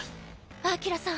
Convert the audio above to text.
アキラさん